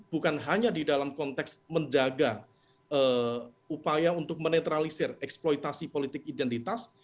bukan hanya di dalam konteks menjaga upaya untuk menetralisir eksploitasi politik identitas